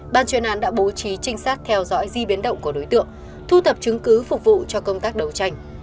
ban chuyên án đã bố trí trinh sát theo dõi di biến động của đối tượng thu thập chứng cứ phục vụ cho công tác đấu tranh